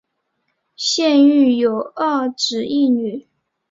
现育有二子一女。